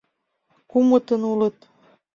Кумытын улыт.